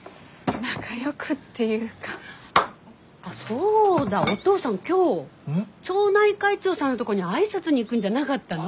あっそうだおとうさん今日町内会長さんのとこに挨拶に行くんじゃなかったの？